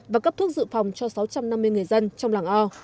và cấp thuốc dự phòng cho sáu trăm năm mươi người dân trong làng o